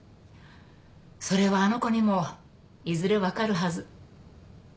それはあの子にもいずれ分かるはず。